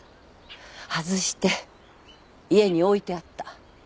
外して家に置いてあった。